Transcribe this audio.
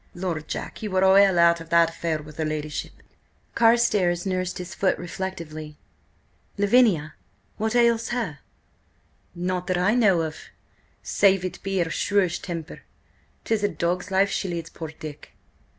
Lord, Jack, you were well out of that affair with her ladyship!" Carstares nursed his foot reflectively. "Lavinia? What ails her?" "Nought that I know of, save it be her shrewish temper. 'Tis a dog's life she leads poor Dick."